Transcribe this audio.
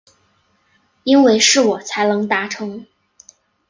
因为是我才能达成